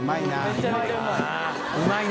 めちゃめちゃうまい。